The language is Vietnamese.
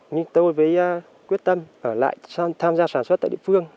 nhưng tôi mới quyết tâm ở lại tham gia sản xuất tại địa phương